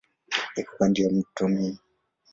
Iko kando ya mto Main.